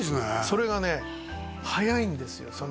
それがね早いんですよ